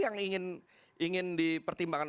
yang ingin dipertimbangkan